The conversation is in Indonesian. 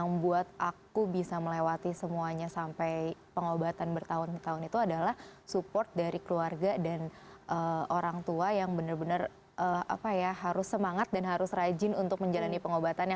yang membuat aku bisa melewati semuanya sampai pengobatan bertahun tahun itu adalah support dari keluarga dan orang tua yang benar benar harus semangat dan harus rajin untuk menjalani pengobatannya